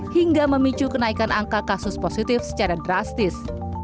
hingga memicu kenaikan angka kasus positif secara drastis